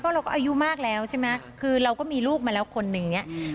เราก็อายุมากแล้วใช่ไหมคือเราก็มีลูกมาแล้วคนหนึ่งอย่างนี้